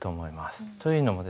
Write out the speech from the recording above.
というのもですね